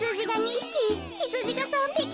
ひつじが３びき。